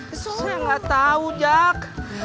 gue gak tau jak